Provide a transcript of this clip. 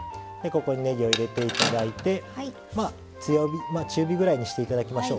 ここにねぎを入れて頂いて中火ぐらいにして頂きましょう。